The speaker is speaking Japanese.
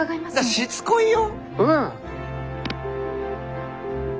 しつこいよ！